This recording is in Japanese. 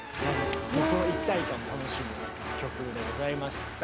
その一体感を楽しむ曲でございました。